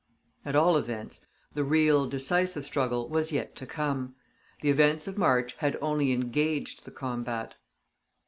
At all events, the real, decisive struggle was yet to come; the events of March had only engaged the combat.